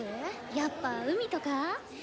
やっぱ海とか？